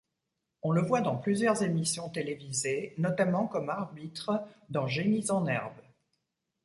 On le voit dans plusieurs émissions télévisées, notamment comme arbitre dans Génies en herbe.